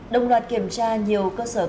đồng loạt kiểm tra nhiều cơ sở kinh tế